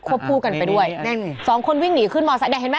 ควบคู่กันไปด้วยแน่นสองคนวิ่งหนีขึ้นเนี้ยเห็นไหม